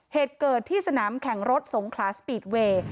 เหตุเกิดที่สนามแข่งรถสงคลาสปีดเวย์